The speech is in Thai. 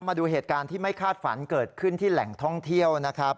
มาดูเหตุการณ์ที่ไม่คาดฝันเกิดขึ้นที่แหล่งท่องเที่ยวนะครับ